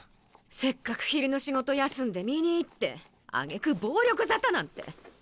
せっかく昼の仕事休んで見に行ってあげく暴力沙汰なんて！